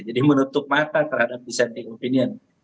jadi menutup mata terhadap dissenting opinion